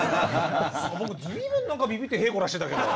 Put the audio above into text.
僕随分ビビッてへいこらしてたけど。